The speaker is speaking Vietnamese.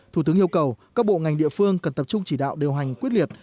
thủ tướng yêu cầu các bộ ngành địa phương cần tập trung chỉ đạo điều hành quyết liệt